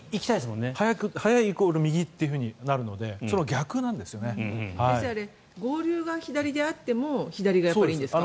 速いイコール右となるので先生、合流が左であっても左がいいんですか？